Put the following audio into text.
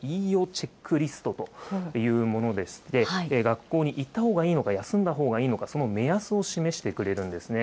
チェックリストというものでして、学校に行ったほうがいいのか、休んだほうがいいのか、その目安を示してくれるんですね。